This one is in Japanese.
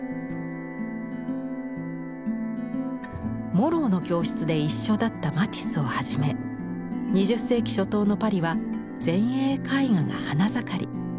モローの教室で一緒だったマティスをはじめ２０世紀初頭のパリは前衛絵画が花盛り。